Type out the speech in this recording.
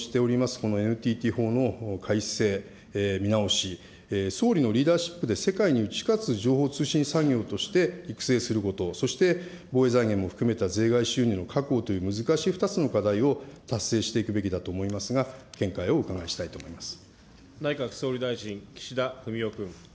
このＮＴＴ法の改正、見直し、総理のリーダーシップで世界に打ち勝つ情報推進産業として育成すること、そして防衛財源も含めた税外収入の確保という難しい２つの課題を達成していくべきだと思いますが、見解をお伺いしたいと思います。